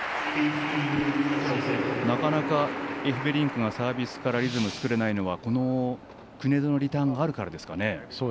なかなか、エフベリンクがサービスからリズムを作れないのはこの国枝のリターンがあるからですかね。